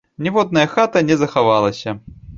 Ніводная хата не захавалася.